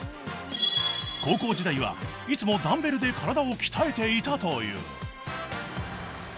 ［高校時代はいつもダンベルで体を鍛えていたという］